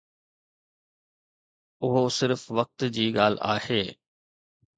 اهو صرف وقت جي ڳالهه آهي.